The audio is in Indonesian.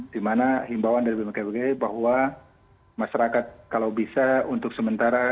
di mana himbauan dari bmkg bahwa masyarakat kalau bisa untuk sementara